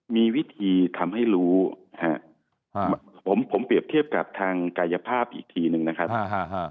มีวิธีทำให้รู้ฮะผมผมเปรียบเทียบกับทางกายภาพอีกทีนึงนะครับ